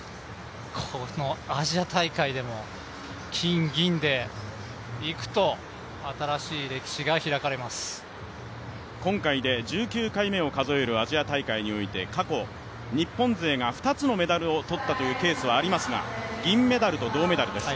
このアジア大会でも金銀でいくと、今回で１９回目を数えるアジア大会において過去日本勢が２つのメダルを取ったというケースはありますが、銀メダルと銅メダルです。